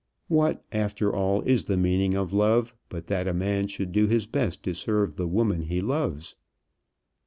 What, after all, is the meaning of love, but that a man should do his best to serve the woman he loves?